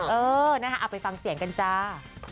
เออนะคะเอาไปฟังเสียงกันจ้า